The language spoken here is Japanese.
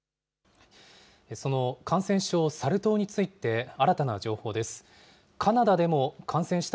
その感染症、サル痘について、新たな情報です。